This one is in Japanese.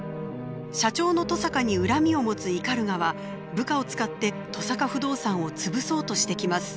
社長の登坂に恨みを持つ鵤は部下を使って登坂不動産を潰そうとしてきます。